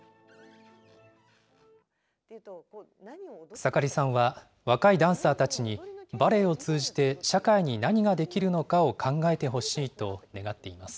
草刈さんは若いダンサーたちに、バレエを通じて社会に何ができるのかを考えてほしいと願っています。